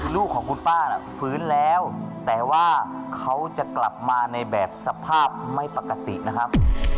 ลูกของคุณป้าน่ะฟื้นแล้วแต่ว่าเขาจะกลับมาในแบบสภาพไม่ปกตินะครับ